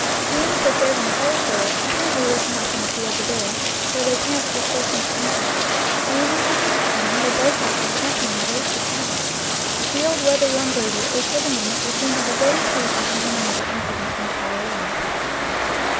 The young sit there in a huddled row, apparently looking off in the fields of air where their parents are coursing for insects, and when they see them returning, they break out in a happy and grateful chatter. The old weather worn gable is for the moment the scene of a very pleasing and ani mated incident in swallow life.